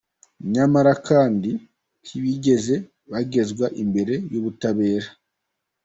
Nyamara kandi ntibigeze bagezwa imbere y’ubutabera.